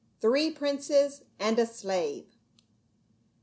THREE PRINCES AND A SLAVE.